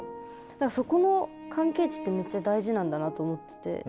だからそこの関係値ってめっちゃ大事なんだなと思ってて。